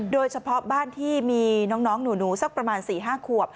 โดยเฉพาะบ้านที่มีน้องหนูสักประมาณ๔๕ขวบ